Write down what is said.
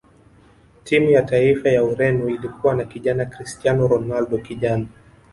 timu ya taifa ya ureno ilikuwa na kijana cristiano ronaldo kijana